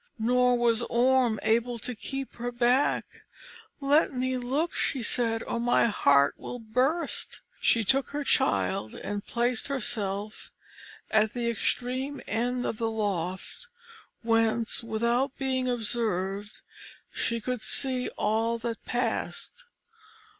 Nor was Orm able to keep her back. "Let me look," said she, "or my heart will burst." She took her child and placed herself at the extreme end of the loft, whence, without being observed, she could see all that passed.